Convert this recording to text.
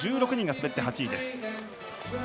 １６人が滑って８位です。